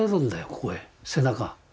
ここへ背中。